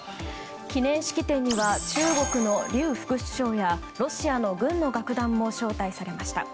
記念式典には中国のリュウ副首相やロシアの軍の楽団も招待されました。